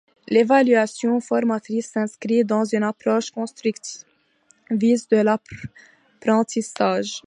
L'évaluation formatrice s'inscrit dans une approche constructiviste de l'apprentissage.